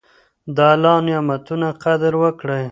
د الله نعمتونو قدر وکړئ.